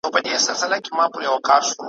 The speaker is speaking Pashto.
نه به لاس د چا گرېوان ته ور رسېږي `